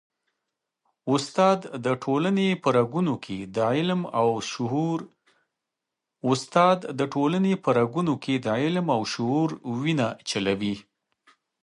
استاد د ټولني په رګونو کي د علم او شعور وینه چلوي.